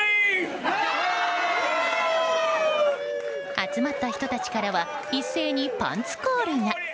集まった人たちからは一斉にパンツコールが。